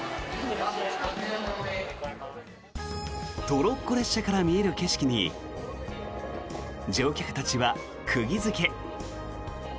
トロッコ列車から見える景色に乗客たちは釘付け。